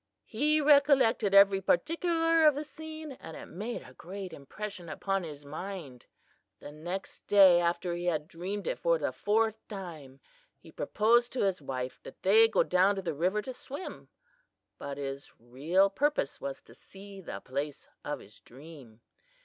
He recollected every particular of the scene, and it made a great impression upon his mind. "The next day after he had dreamed it for the fourth time, he proposed to his wife that they go down to the river to swim, but his real purpose was to see the place of his dream.